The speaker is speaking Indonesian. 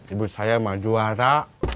ibu saya mah juara